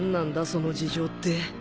その事情って